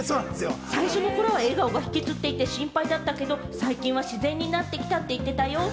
最初の頃は笑顔が引きつっていて心配だったけれども、最近は自然になってきたって言ってたよ。